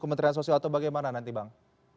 kementerian sosial atau bagaimana nanti bang